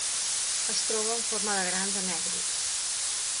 Es troba en forma de grans anèdrics.